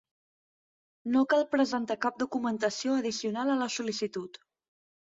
No cal presentar cap documentació addicional a la sol·licitud.